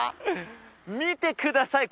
見てください